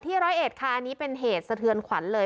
ร้อยเอ็ดค่ะอันนี้เป็นเหตุสะเทือนขวัญเลย